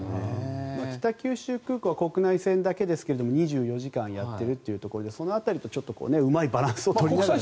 北九州空港は国際線ですけれど２４時間やっているということでその辺りをうまいバランスを取りながら。